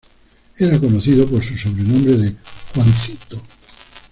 Era conocido por su sobrenombre de "Juancito".